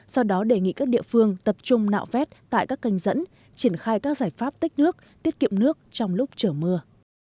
sau đó đề nghị các địa phương tập trung nạo vét tại các canh dẫn triển khai các giải pháp tích nước tiết kiệm nước trong lúc chở mưa